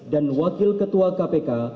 dan wakil ketua kpk